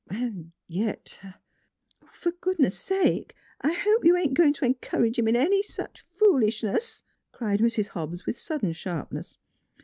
... And yet "" For goodness sake ! I hope you ain't going to encourage him in any such foolishness! " cried Mrs. Hobbs, with sudden sharpness.